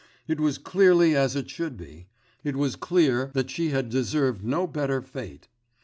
It was clearly as it should be; it was clear that she had deserved no better fate!